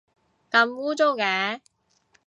咁污糟嘅